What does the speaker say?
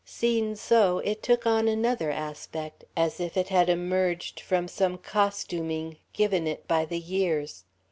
Seen so, it took on another aspect, as if it had emerged from some costuming given it by the years.